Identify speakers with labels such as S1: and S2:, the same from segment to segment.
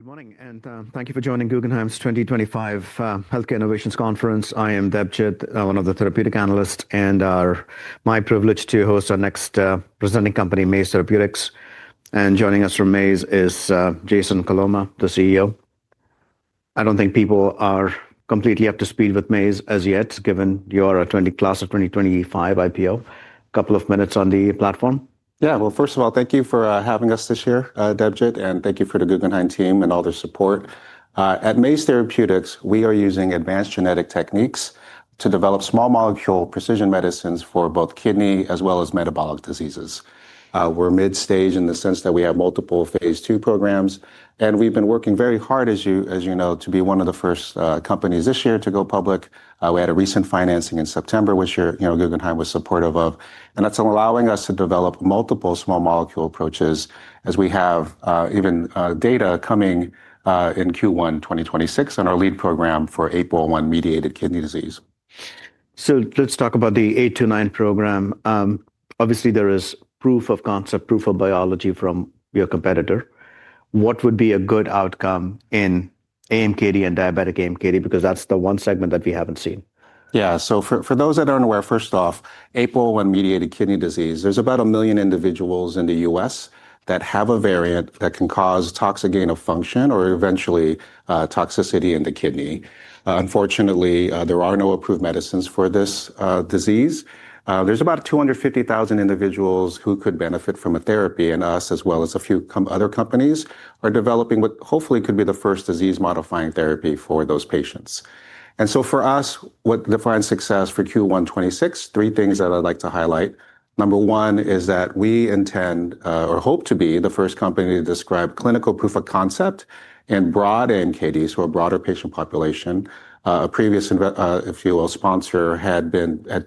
S1: Good morning, and thank you for joining Guggenheim's 2025 Healthcare Innovations Conference. I am Debjit, one of the therapeutic analysts, and it's my privilege to host our next presenting company, Maze Therapeutics. Joining us from Maze is Jason Coloma, the CEO. I don't think people are completely up to speed with Maze as yet, given your class of 2025 IPO. A couple of minutes on the platform?
S2: Yeah, well, first of all, thank you for having us this year, Debjit, and thank you for the Guggenheim team and all their support. At Maze Therapeutics, we are using advanced genetic techniques to develop small molecule precision medicines for both kidney as well as metabolic diseases. We're mid-stage in the sense that we have multiple phase two programs, and we've been working very hard, as you know, to be one of the first companies this year to go public. We had a recent financing in September, which Guggenheim was supportive of, and that's allowing us to develop multiple small molecule approaches as we have even data coming in Q1 2026 on our lead program for APOL1-mediated kidney disease.
S1: So let's talk about the MZE829 program. Obviously, there is proof of concept, proof of biology from your competitor. What would be a good outcome in AMKD and diabetic AMKD? Because that's the one segment that we haven't seen.
S2: Yeah, so for those that aren't aware, first off, APOL1-mediated kidney disease, there's about a million individuals in the U.S. that have a variant that can cause toxic gain of function or eventually toxicity in the kidney. Unfortunately, there are no approved medicines for this disease. There's about 250,000 individuals who could benefit from a therapy, and us as well as a few other companies are developing what hopefully could be the first disease-modifying therapy for those patients. And so for us, what defines success for Q1 2026, three things that I'd like to highlight. Number one is that we intend or hope to be the first company to describe clinical proof of concept in broad AMKDs for a broader patient population. A previous, if you will, sponsor had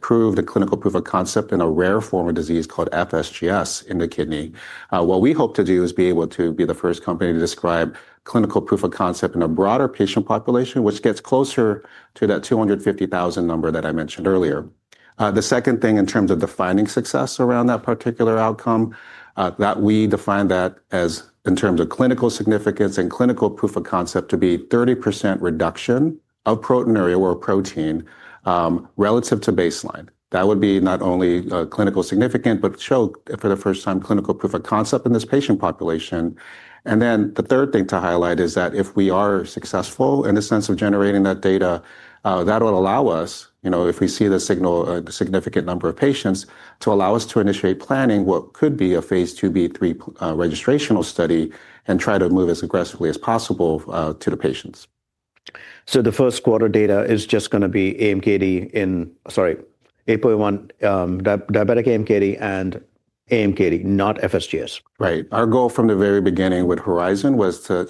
S2: proved a clinical proof of concept in a rare form of disease called FSGS in the kidney. What we hope to do is be able to be the first company to describe clinical proof of concept in a broader patient population, which gets closer to that 250,000 number that I mentioned earlier. The second thing in terms of defining success around that particular outcome, that we define that as in terms of clinical significance and clinical proof of concept to be 30% reduction of proteinuria relative to baseline. That would be not only clinically significant, but show for the first time clinical proof of concept in this patient population. And then the third thing to highlight is that if we are successful in the sense of generating that data, that will allow us, if we see the significant number of patients, to allow us to initiate planning what could be a phase II, III registrational study and try to move as aggressively as possible to the patients.
S1: So the first quarter data is just going to be AMKD, sorry, APOL1 diabetic AMKD and AMKD, not FSGS.
S2: Right. Our goal from the very beginning with Horizon was to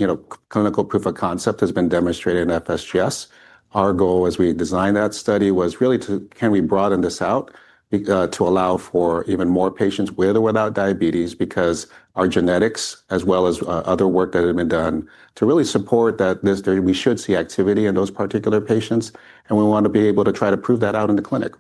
S2: clinical proof of concept has been demonstrated in FSGS. Our goal as we designed that study was really to, can we broaden this out to allow for even more patients with or without diabetes, because our genetics, as well as other work that had been done to really support that we should see activity in those particular patients, and we want to be able to try to prove that out in the clinic.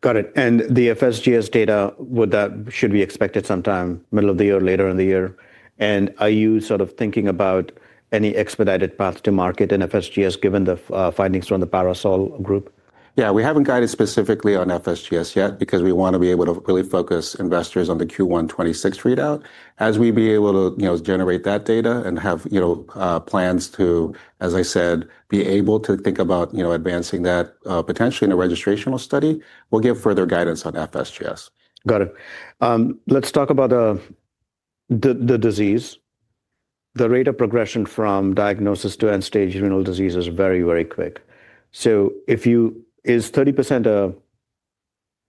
S1: Got it. And the FSGS data, would that should be expected sometime middle of the year or later in the year? And are you sort of thinking about any expedited path to market in FSGS given the findings from the PARASOL group?
S2: Yeah, we haven't guided specifically on FSGS yet because we want to be able to really focus investors on the Q1 2026 readout. As we be able to generate that data and have plans to, as I said, be able to think about advancing that potentially in a registrational study, we'll give further guidance on FSGS.
S1: Got it. Let's talk about the disease. The rate of progression from diagnosis to end-stage renal disease is very, very quick. So is 30%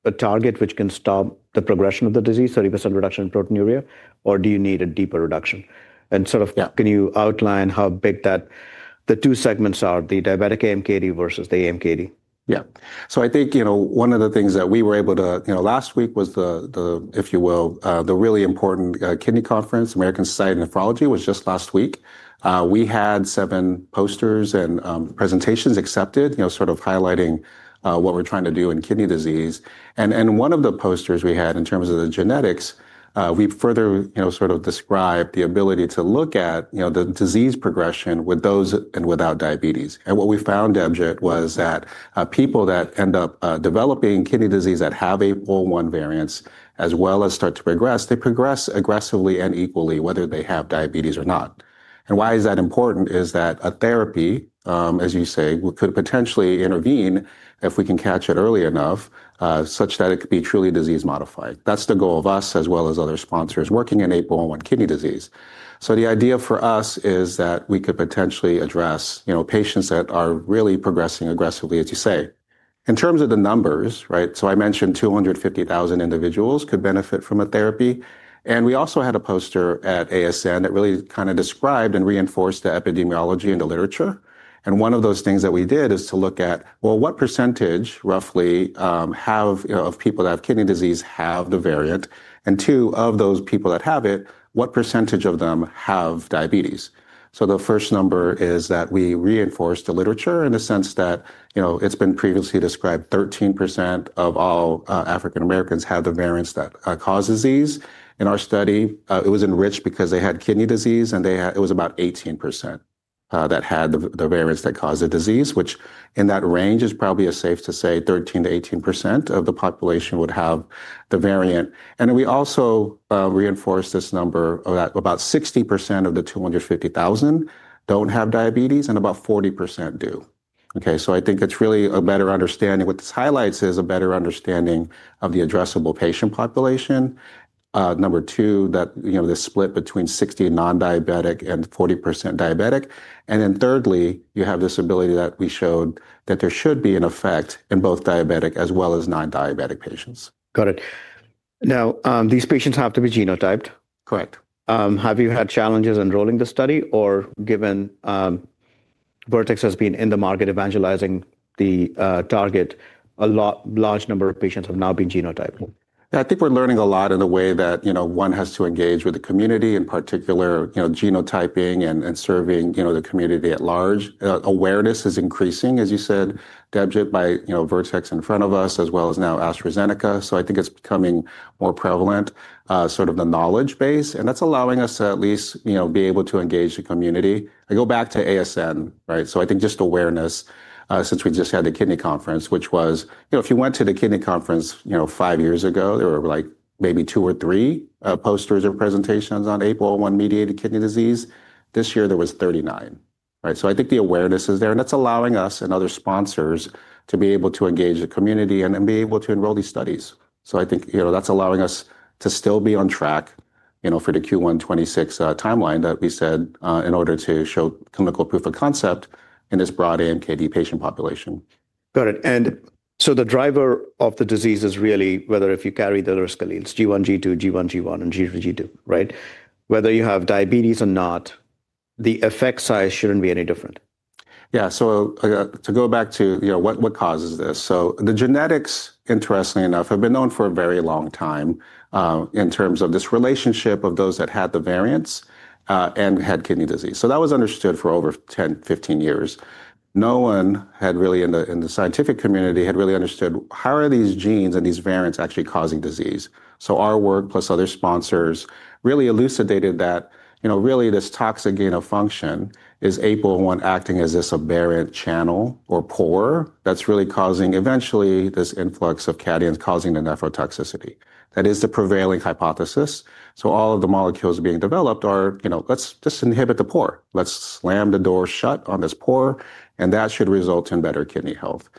S1: a target which can stop the progression of the disease, 30% reduction in proteinuria, or do you need a deeper reduction? And sort of can you outline how big the two segments are, the diabetic AMKD versus the AMKD?
S2: Yeah. So I think one of the things that we were able to last week was the, if you will, the really important kidney conference, American Society of Nephrology, was just last week. We had seven posters and presentations accepted, sort of highlighting what we're trying to do in kidney disease. And one of the posters we had in terms of the genetics, we further sort of described the ability to look at the disease progression with those and without diabetes. And what we found, Deb Chattopadhyay, was that people that end up developing kidney disease that have APOL1 variants as well as start to progress, they progress aggressively and equally whether they have diabetes or not. And why is that important is that a therapy, as you say, could potentially intervene if we can catch it early enough such that it could be truly disease-modifying. That's the goal of us as well as other sponsors working in APOL1 kidney disease. So the idea for us is that we could potentially address patients that are really progressing aggressively, as you say. In terms of the numbers, right, so I mentioned 250,000 individuals could benefit from a therapy. And we also had a poster at ASN that really kind of described and reinforced the epidemiology and the literature. And one of those things that we did is to look at, well, what percentage roughly of people that have kidney disease have the variant? And two, of those people that have it, what percentage of them have diabetes? So the first number is that we reinforced the literature in the sense that it's been previously described 13% of all African Americans have the variants that cause disease. In our study, it was enriched because they had kidney disease and it was about 18% that had the variants that cause the disease, which in that range is probably safe to say 13% to 18% of the population would have the variant. And we also reinforced this number of about 60% of the 250,000 don't have diabetes and about 40% do. Okay, so I think it's really a better understanding. What this highlights is a better understanding of the addressable patient population. Number two, that the split between 60 non-diabetic and 40% diabetic. And then thirdly, you have this ability that we showed that there should be an effect in both diabetic as well as non-diabetic patients.
S1: Got it. Now, these patients have to be genotyped.
S2: Correct.
S1: Have you had challenges enrolling the study or given Vertex has been in the market evangelizing the target, a large number of patients have now been genotyped?
S2: I think we're learning a lot in the way that one has to engage with the community, in particular genotyping and serving the community at large. Awareness is increasing, as you said, Debjit, by Vertex in front of us as well as now AstraZeneca. So I think it's becoming more prevalent, sort of the knowledge base, and that's allowing us to at least be able to engage the community. I go back to ASN, right? So I think just awareness since we just had the kidney conference, which was if you went to the kidney conference five years ago, there were like maybe two or three posters or presentations on APOL1-mediated kidney disease. This year, there was 39. So I think the awareness is there, and that's allowing us and other sponsors to be able to engage the community and be able to enroll these studies. So I think that's allowing us to still be on track for the Q1 2026 timeline that we said in order to show clinical proof of concept in this broad AMKD patient population.
S1: Got it, and so the driver of the disease is really whether if you carry the risk alleles, G1, G2, G1, G1, and G2, G2, right? Whether you have diabetes or not, the effect size shouldn't be any different.
S2: Yeah, so to go back to what causes this. So the genetics, interestingly enough, have been known for a very long time in terms of this relationship of those that had the variants and had kidney disease. So that was understood for over 10-15 years. No one had really in the scientific community really understood how are these genes and these variants actually causing disease. So our work plus other sponsors really elucidated that this toxic gain of function is APOL1 acting as this aberrant channel or pore that's really causing eventually this influx of cations causing the nephrotoxicity. That is the prevailing hypothesis. So all of the molecules being developed are, let's just inhibit the pore. Let's slam the door shut on this pore, and that should result in better kidney health.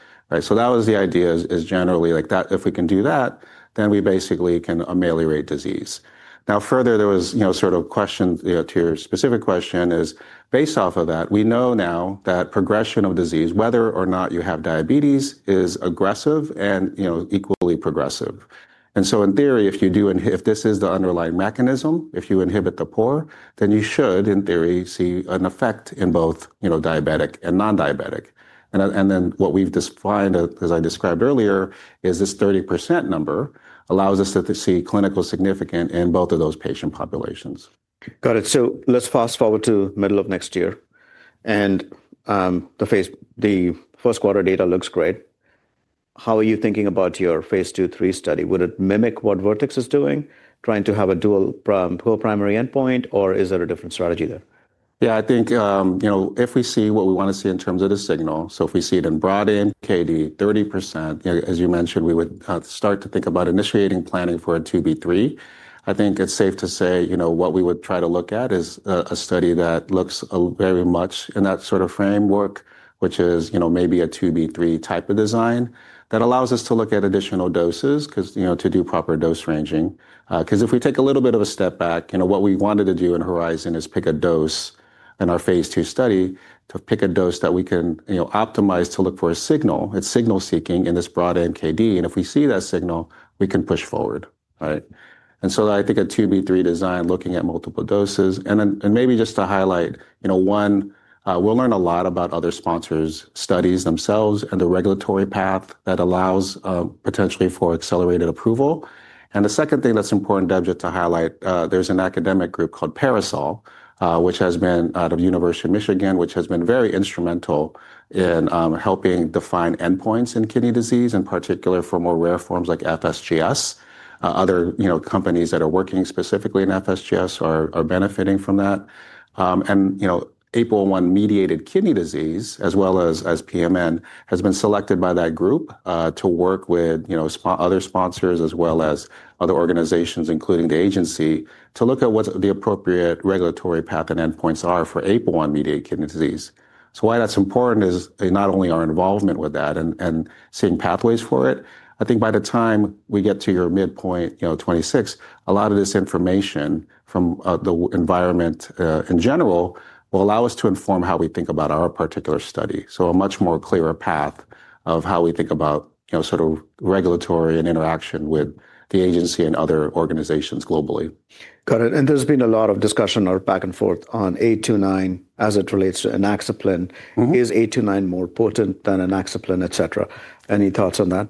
S2: So that was the idea is generally like that. If we can do that, then we basically can ameliorate disease. Now, further, there was sort of question to your specific question is based off of that. We know now that progression of disease, whether or not you have diabetes, is aggressive and equally progressive. And so in theory, if you do, if this is the underlying mechanism, if you inhibit the pore, then you should in theory see an effect in both diabetic and non-diabetic. And then what we've defined, as I described earlier, is this 30% number allows us to see clinical significance in both of those patient populations.
S1: Got it. So let's fast forward to middle of next year, and the first quarter data looks great. How are you thinking about your phase II, III study? Would it mimic what Vertex is doing, trying to have a dual primary endpoint, or is there a different strategy there?
S2: Yeah, I think if we see what we want to see in terms of the signal, so if we see it in broad AMKD, 30%, as you mentioned, we would start to think about initiating planning for a phase II, III. I think it's safe to say what we would try to look at is a study that looks very much in that sort of framework, which is maybe a phase II, III type of design that allows us to look at additional doses to do proper dose ranging. Because if we take a little bit of a step back, what we wanted to do in Horizon is pick a dose in our phase II study to pick a dose that we can optimize to look for a signal. It's signal seeking in this broad AMKD, and if we see that signal, we can push forward. And so I think a II, III design looking at multiple doses. And maybe just to highlight one, we'll learn a lot about other sponsors' studies themselves and the regulatory path that allows potentially for accelerated approval. And the second thing that's important, Debjit, to highlight, there's an academic group called PARASOL, which has been out of the University of Michigan, which has been very instrumental in helping define endpoints in kidney disease, in particular for more rare forms like FSGS. Other companies that are working specifically in FSGS are benefiting from that. And APOL1-mediated kidney disease, as well as PMN, has been selected by that group to work with other sponsors as well as other organizations, including the agency, to look at what the appropriate regulatory path and endpoints are for APOL1-mediated kidney disease. So why that's important is not only our involvement with that and seeing pathways for it. I think by the time we get to your midpoint, 2026, a lot of this information from the environment in general will allow us to inform how we think about our particular study. So a much more clearer path of how we think about sort of regulatory and interaction with the agency and other organizations globally.
S1: Got it. And there's been a lot of discussion or back and forth on MZE829 as it relates to Inaxaplin. Is MZE829 more potent than Inaxaplin, et cetera? Any thoughts on that?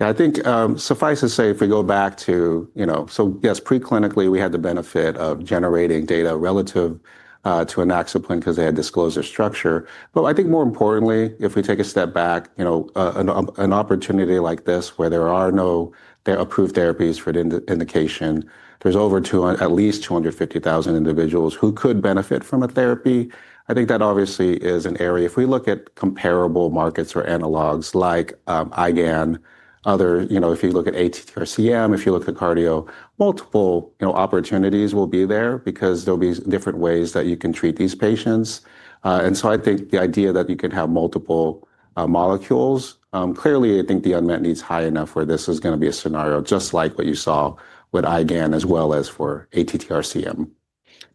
S2: Yeah, I think suffice to say if we go back to, so yes, preclinically, we had the benefit of generating data relative to Inaxaplin because they had disclosure structure. But I think more importantly, if we take a step back, an opportunity like this where there are no approved therapies for the indication, there's over at least 250,000 individuals who could benefit from a therapy. I think that obviously is an area. If we look at comparable markets or analogs like IgAN, if you look at ATTR-CM, if you look at cardio, multiple opportunities will be there because there'll be different ways that you can treat these patients. And so I think the idea that you can have multiple molecules, clearly, I think the unmet needs high enough where this is going to be a scenario just like what you saw with IgAN as well as for ATTR-CM.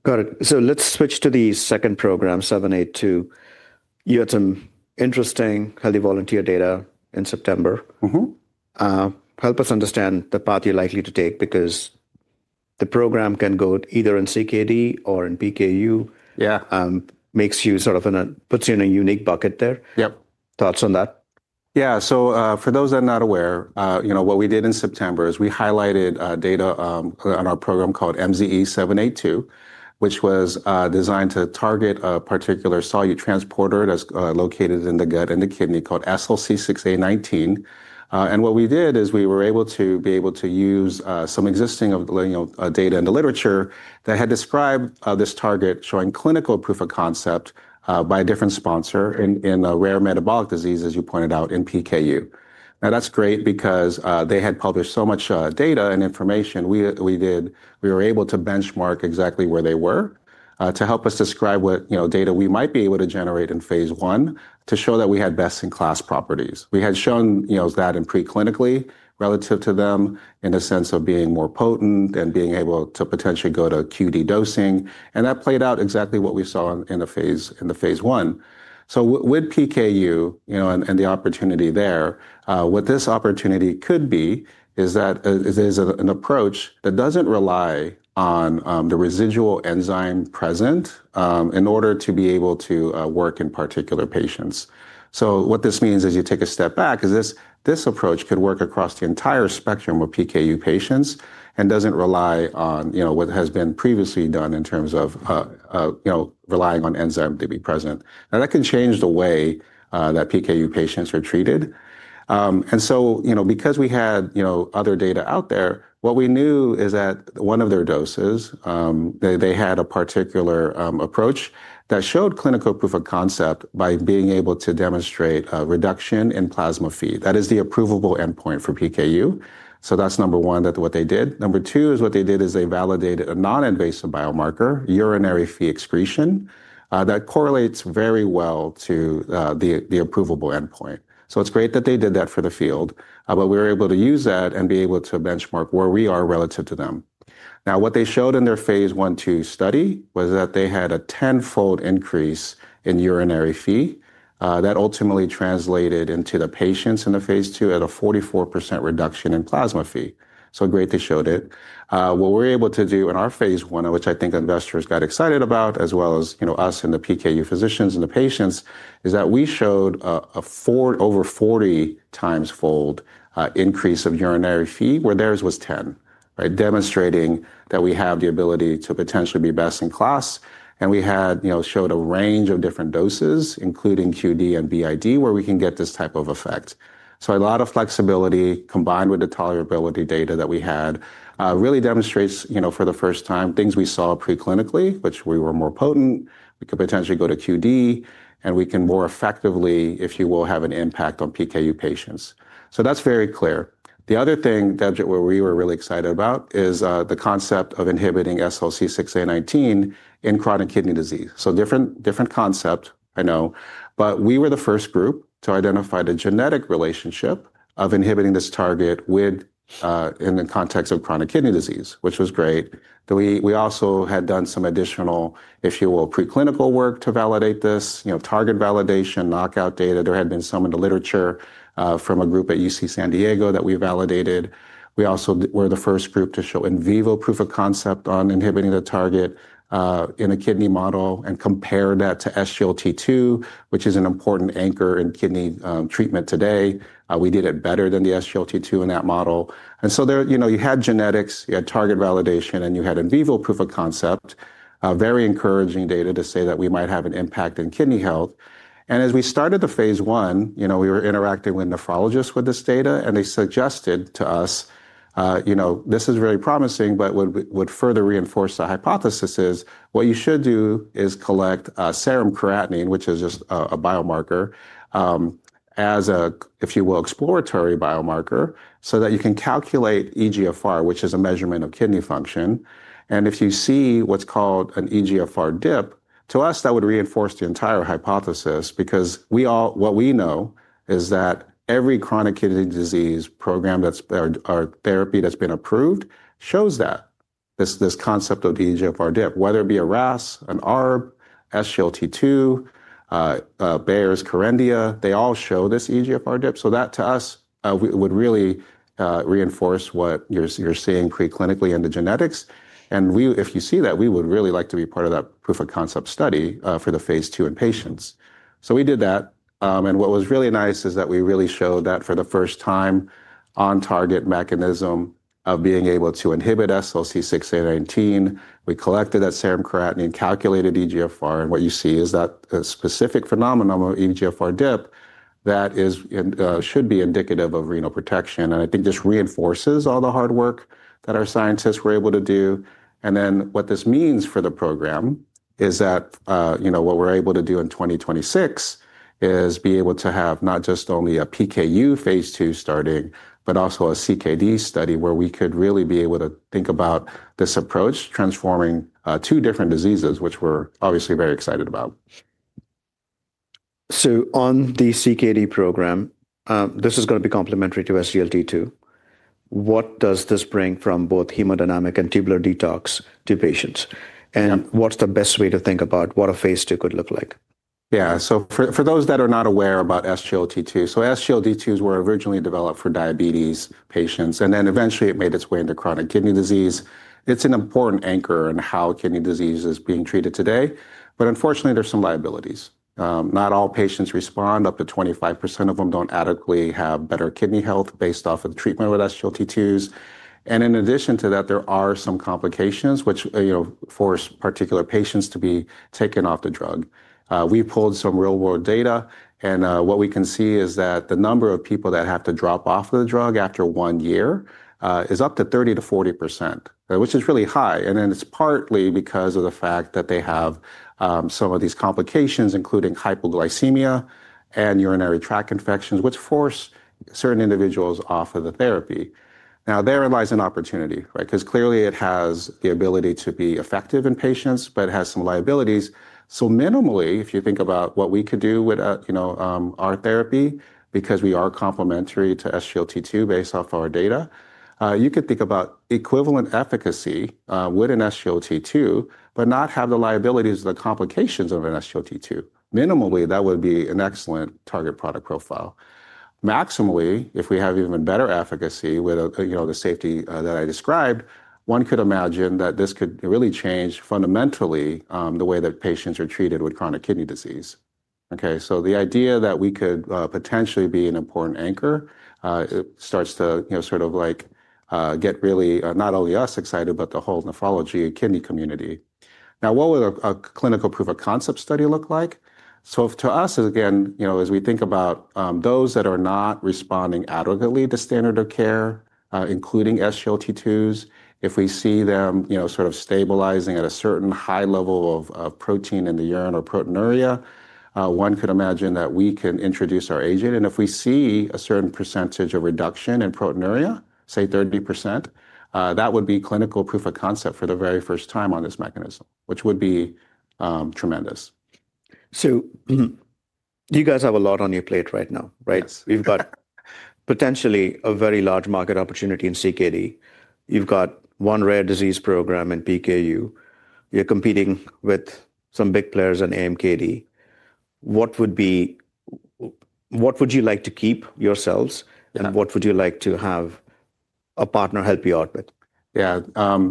S1: Got it. So let's switch to the second program, 782. You had some interesting healthy volunteer data in September. Help us understand the path you're likely to take because the program can go either in CKD or in PKU?
S2: Yeah.
S1: Makes you sort of puts you in a unique bucket there.
S2: Yep.
S1: Thoughts on that?
S2: Yeah, so for those that are not aware, what we did in September is we highlighted data on our program called MZE782, which was designed to target a particular solute transporter that's located in the gut and the kidney called SLC6A19, and what we did is we were able to use some existing data in the literature that had described this target showing clinical proof of concept by a different sponsor in rare metabolic disease, as you pointed out, in PKU. Now, that's great because they had published so much data and information. We were able to benchmark exactly where they were to help us describe what data we might be able to generate in phase one to show that we had best-in-class properties. We had shown that in preclinically relative to them in the sense of being more potent and being able to potentially go to QD dosing, and that played out exactly what we saw in the phase one, so with PKU and the opportunity there, what this opportunity could be is that it is an approach that doesn't rely on the residual enzyme present in order to be able to work in particular patients, so what this means as you take a step back is this approach could work across the entire spectrum of PKU patients and doesn't rely on what has been previously done in terms of relying on enzyme to be present. Now, that can change the way that PKU patients are treated. Because we had other data out there, what we knew is that one of their doses, they had a particular approach that showed clinical proof of concept by being able to demonstrate a reduction in plasma Phe. That is the approvable endpoint for PKU. So that's number one, that's what they did. Number two is what they did is they validated a non-invasive biomarker, urinary Phe excretion, that correlates very well to the approvable endpoint. So it's great that they did that for the field, but we were able to use that and be able to benchmark where we are relative to them. Now, what they showed in their phase 1/2 study was that they had a tenfold increase in urinary Phe that ultimately translated into the patients in the phase 2 at a 44% reduction in plasma Phe. So great they showed it. What we were able to do in our phase one, which I think investors got excited about, as well as us and the PKU physicians and the patients, is that we showed a over 40 times fold increase of urinary Phe where theirs was 10, demonstrating that we have the ability to potentially be best in class, and we had showed a range of different doses, including QD and BID, where we can get this type of effect, so a lot of flexibility combined with the tolerability data that we had really demonstrates for the first time things we saw preclinically, which we were more potent, we could potentially go to QD, and we can more effectively, if you will, have an impact on PKU patients, so that's very clear. The other thing, Deb Chattopadhyay, where we were really excited about is the concept of inhibiting SLC6A19 in chronic kidney disease, so different concept, I know, but we were the first group to identify the genetic relationship of inhibiting this target in the context of chronic kidney disease, which was great. We also had done some additional, if you will, preclinical work to validate this, target validation, knockout data. There had been some in the literature from a group at UC San Diego that we validated. We also were the first group to show in vivo proof of concept on inhibiting the target in a kidney model and compare that to SGLT2, which is an important anchor in kidney treatment today. We did it better than the SGLT2 in that model. So you had genetics, you had target validation, and you had in vivo proof of concept, very encouraging data to say that we might have an impact in kidney health. As we started the phase 1, we were interacting with nephrologists with this data, and they suggested to us, this is very promising, but would further reinforce the hypothesis is what you should do is collect serum creatinine, which is just a biomarker, as a, if you will, exploratory biomarker so that you can calculate eGFR, which is a measurement of kidney function. And if you see what's called an eGFR dip, to us, that would reinforce the entire hypothesis because what we know is that every chronic kidney disease program or therapy that's been approved shows that, this concept of the eGFR dip, whether it be a RAS, an ARB, SGLT2, Bayer's Kerendia, they all show this eGFR dip. So that to us would really reinforce what you're seeing preclinically in the genetics. And if you see that, we would really like to be part of that proof of concept study for the phase two in patients. So we did that. And what was really nice is that we really showed that for the first time on target mechanism of being able to inhibit SLC6A19. We collected that serum creatinine, calculated eGFR, and what you see is that specific phenomenon of eGFR dip that should be indicative of renal protection. And I think this reinforces all the hard work that our scientists were able to do. And then what this means for the program is that what we're able to do in 2026 is be able to have not just only a PKU phase 2 starting, but also a CKD study where we could really be able to think about this approach transforming two different diseases, which we're obviously very excited about.
S1: On the CKD program, this is going to be complementary to SGLT2. What does this bring from both hemodynamic and tubular detox to patients? And what's the best way to think about what a phase two could look like?
S2: Yeah. So, for those that are not aware about SGLT2, SGLT2s were originally developed for diabetes patients, and then eventually it made its way into chronic kidney disease. It's an important anchor in how kidney disease is being treated today. But unfortunately, there's some liabilities. Not all patients respond. Up to 25% of them don't adequately have better kidney health based off of the treatment with SGLT2s. And in addition to that, there are some complications which force particular patients to be taken off the drug. We pulled some real-world data, and what we can see is that the number of people that have to drop off the drug after one year is up to 30%-40%, which is really high. And then it's partly because of the fact that they have some of these complications, including hypoglycemia and urinary tract infections, which force certain individuals off of the therapy. Now, there lies an opportunity because clearly it has the ability to be effective in patients, but it has some liabilities. So minimally, if you think about what we could do with our therapy, because we are complementary to SGLT2 based off our data, you could think about equivalent efficacy with an SGLT2, but not have the liabilities of the complications of an SGLT2. Minimally, that would be an excellent target product profile. Maximally, if we have even better efficacy with the safety that I described, one could imagine that this could really change fundamentally the way that patients are treated with chronic kidney disease. So the idea that we could potentially be an important anchor starts to sort of get really not only us excited, but the whole nephrology and kidney community. Now, what would a clinical proof of concept study look like, so to us, again, as we think about those that are not responding adequately to standard of care, including SGLT2s, if we see them sort of stabilizing at a certain high level of protein in the urine or proteinuria, one could imagine that we can introduce our agent, and if we see a certain percentage of reduction in proteinuria, say 30%, that would be clinical proof of concept for the very first time on this mechanism, which would be tremendous.
S1: So you guys have a lot on your plate right now, right?
S2: Yes.
S1: You've got potentially a very large market opportunity in CKD. You've got one rare disease program in PKU. You're competing with some big players in AMKD. What would you like to keep yourselves, and what would you like to have a partner help you out with?
S2: Yeah.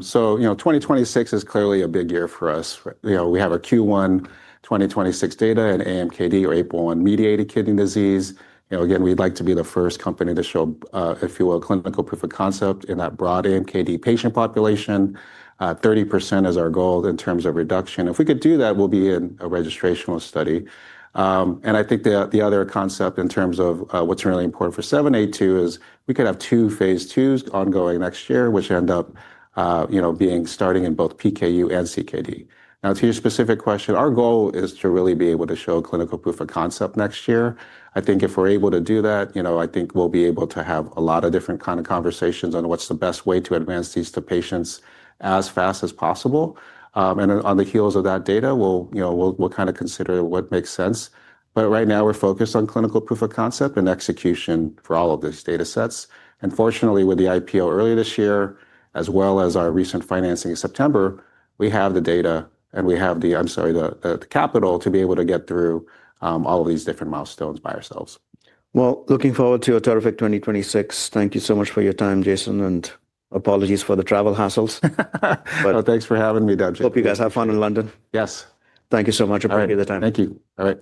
S2: So 2026 is clearly a big year for us. We have a Q1 2026 data in AMKD or APOL1 mediated kidney disease. Again, we'd like to be the first company to show, if you will, clinical proof of concept in that broad AMKD patient population. 30% is our goal in terms of reduction. If we could do that, we'll be in a registrational study. And I think the other concept in terms of what's really important for 782 is we could have two phase twos ongoing next year, which end up starting in both PKU and CKD. Now, to your specific question, our goal is to really be able to show clinical proof of concept next year. I think if we're able to do that, I think we'll be able to have a lot of different kinds of conversations on what's the best way to advance these to patients as fast as possible, and on the heels of that data, we'll kind of consider what makes sense, but right now, we're focused on clinical proof of concept and execution for all of these data sets, and fortunately, with the IPO earlier this year, as well as our recent financing in September, we have the data and we have the capital to be able to get through all of these different milestones by ourselves.
S1: Looking forward to your terrific 2026. Thank you so much for your time, Jason, and apologies for the travel hassles.
S2: Thanks for having me, Debjit.
S1: Hope you guys have fun in London.
S2: Yes.
S1: Thank you so much for taking the time.
S2: Thank you. All right.